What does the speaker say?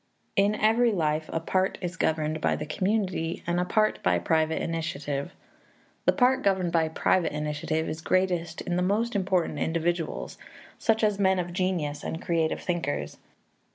In every life a part is governed by the community, and a part by private initiative. The part governed by private initiative is greatest in the most important individuals, such as men of genius and creative thinkers.